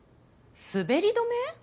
滑り止め？